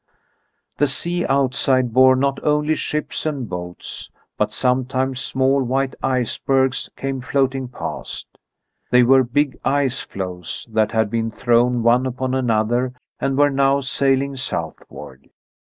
The sea outside bore not only ships and boats, but sometimes small white icebergs came floating past. They were big ice floes that had been thrown one upon another and were now sailing southward.